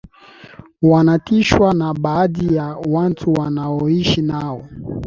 wanatishwa na baadhi ya watu wanaoishi nao